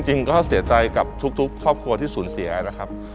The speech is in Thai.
จริงก็เสียใจกับทุกครอบครัวที่สูญเสียนะครับ